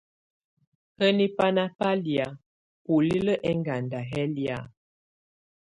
Hǝ́niǝ banà ba lɛ̀á bulilǝ́ ɛŋganda yɛ̀ lɛ̀á?